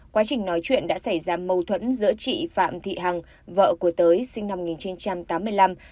quá trình nói chuyện đã xảy ra mâu thuẫn giữa chị phạm thị hằng vợ của tới sinh năm một nghìn chín trăm tám mươi năm